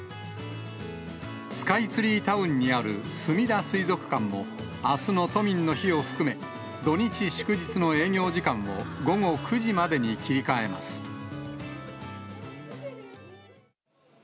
スカイツリータウンにあるすみだ水族館も、あすの都民の日を含め、土日祝日の営業時間を午後９時までに切り替えます。